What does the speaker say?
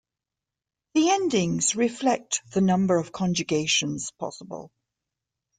The endings reflect the number of conjugations possible.